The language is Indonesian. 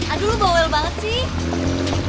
aduh lo bawel banget sih